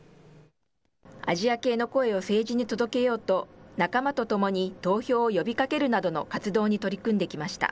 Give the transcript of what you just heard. アジア系の声を政治に届けようと、仲間とともに投票を呼びかけるなどの活動に取り組んできました。